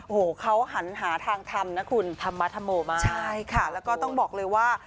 โอ้โหเขาหันหาทางทำนะคุณธรรมธรโมมากใช่ค่ะแล้วก็ต้องบอกเลยว่า